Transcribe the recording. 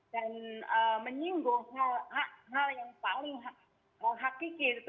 dan menyinggung hal yang paling hakiki